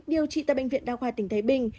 điều trị tại bệnh viện đa khoa tỉnh thái bình